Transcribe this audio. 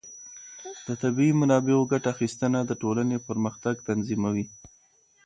د طبیعي منابعو ګټه اخیستنه د ټولنې پرمختګ تضمینوي.